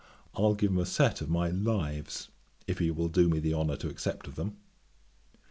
I'll give him a set of my Lives, if he will do me the honour to accept of them."